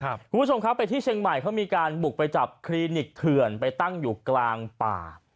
คุณผู้ชมครับไปที่เชียงใหม่เขามีการบุกไปจับคลินิกเถื่อนไปตั้งอยู่กลางป่า